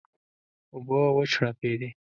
اوبه وچړپېدې.